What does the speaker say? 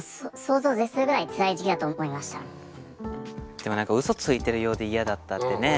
でもなんかウソついてるようで嫌だったってね。